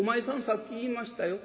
さっき言いましたよ。